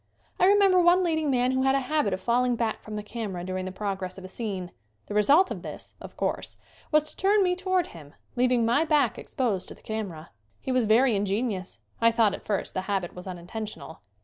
I remember one leading man who had a habit of falling back from the camera during the progress of a scene. The result of this, of course, was to turn me toward him, leaving my back exposed to the camera. He was very 94 SCREEN ACTING ingenuous. I thought, at first, the habit was unintentional.